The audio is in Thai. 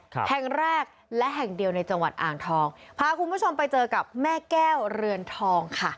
แห่งแรกและแห่งเดียวในจังหวัดอ่างทองพาคุณผู้ชมไปเจอกับแม่แก้วเรือนทองค่ะ